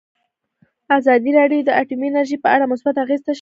ازادي راډیو د اټومي انرژي په اړه مثبت اغېزې تشریح کړي.